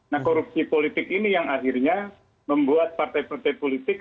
nah korupsi politik ini yang akhirnya membuat partai partai politik